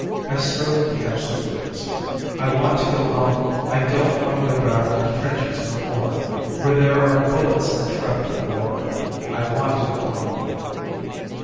I strove to catch the words: "I want to go home! I don't want to go back to the trenches no more, Where there are bullets and shrapnel galore, I want to go home!"